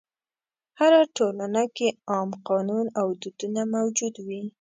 هره ټولنه کې عام قانون او دودونه موجود وي.